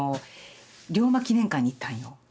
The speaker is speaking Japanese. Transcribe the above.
龍馬記念館に行ったんよ。